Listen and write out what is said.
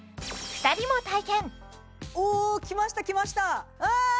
２人も体験おおきましたきましたああ！